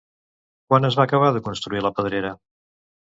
Quan es va acabar de construir la Pedrera?